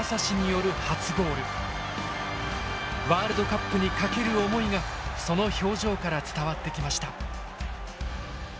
ワールドカップにかける思いがその表情から伝わってきました。